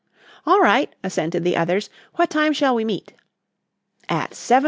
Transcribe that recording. "All right," assented the others. "What time shall we meet?"